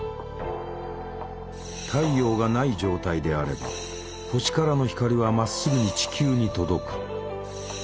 太陽がない状態であれば星からの光はまっすぐに地球に届く。